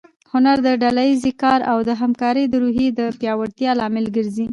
هنر د ډله ییز کار او د همکارۍ د روحیې د پیاوړتیا لامل ګرځي.